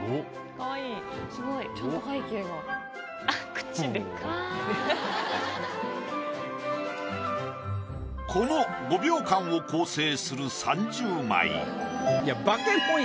・口デカっ・この５秒間を構成する３０枚。